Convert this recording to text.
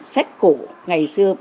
sách cổ ngày xưa